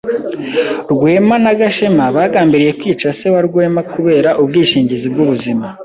Rwema na Gashema bagambiriye kwica se wa Rwema kubera ubwishingizi bw'ubuzima.